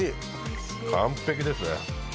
完璧ですね。